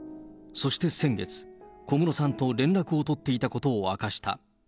そして先月、小室さんと連絡を取っていたことを明かした。